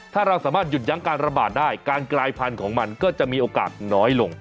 ถ้าเราสามารถหยุดยั้งการระบาดได้การกลายพันธุ์ของมันก็จะมีโอกาสน้อยลง